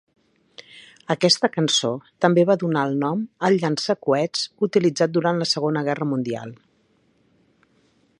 Aquesta cançó també va donar el nom al llançacoets utilitzat durant la Segona Guerra Mundial.